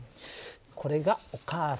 これがお母さんの分。